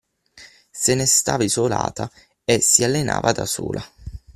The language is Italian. Se ne stava isolata e si allenava da sola.